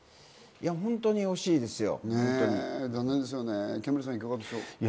本当に惜しいですよ。